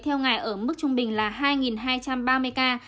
theo ngày ở mức trung bình là hai hai trăm ba mươi ca